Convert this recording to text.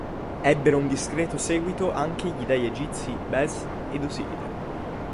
Ebbero un discreto seguito anche gli dèi egizi Bes ed Osiride.